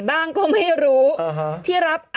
โอเคโอเคโอเคโอเค